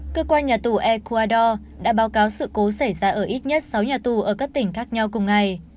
cơ quan nhà tù ecuador đã báo cáo sự cố xảy ra ở ít nhất sáu nhà tù ở các tỉnh khác nhau cùng ngày